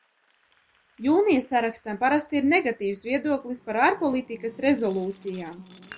Jūnija sarakstam parasti ir negatīvs viedoklis par ārpolitikas rezolūcijām.